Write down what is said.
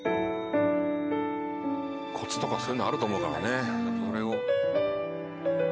コツとかそういうのあると思うからねそれを。